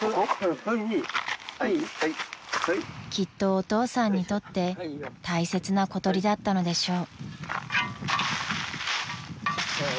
［きっとお父さんにとって大切な小鳥だったのでしょう］